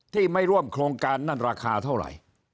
ไม่ร่วมโครงการนั่นราคาเท่าไหร่